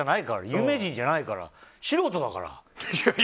有名人じゃなくて素人だから。